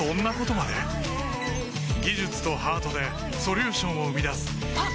技術とハートでソリューションを生み出すあっ！